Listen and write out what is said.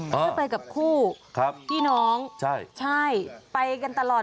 เพียงไปกับคู่พี่น้องใช่ไปกันตลอด